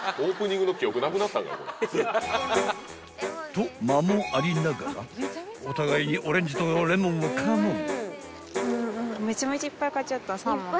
［と間もありながらお互いにオレンジとレモンをカモン］